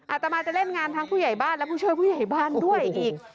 อาตมาจะเล่นงานทั้งผู้ใหญ่บ้านและผู้ช่วยผู้ใหญ่บ้านด้วยอีก